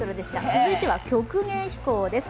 続いては曲芸飛行です。